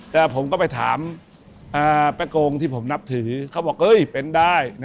แต่ผมก็ไปถามแป๊โกงที่ผมนับถือเขาบอกเป็นได้